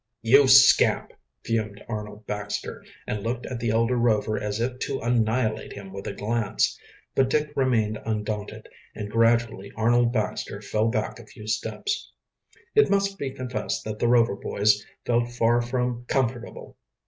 "You scamp!" fumed Arnold Baxter, and looked at the elder Rover as if to annihilate him with a glance. But Dick remained undaunted, and gradually Arnold Baxter fell back a few steps. It must be confessed that the Rover boys felt far from comfortable.